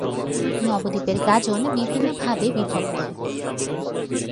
নবদ্বীপের গাজন বিভিন্ন পর্বে বিভক্ত।